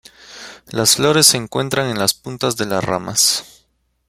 Las flores se encuentran en las puntas de las ramas.